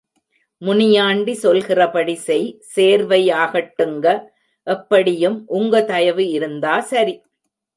முனியாண்டி சொல்கிறபடி செய் சேர்வை ஆகட்டுங்க, எப்படியும் உங்க தயவு இருந்தா சரி.